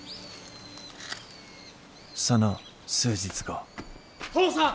その数日後・父さん！